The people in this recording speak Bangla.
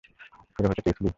হিরো হতে চেয়েছিলি!